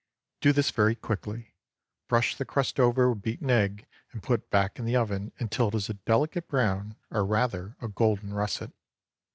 Do this very quickly; brush the crust over with beaten egg and put back in the oven until it is a delicate brown, or rather, a golden russet.